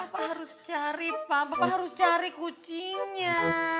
papa harus cari pa papa harus cari kucingnya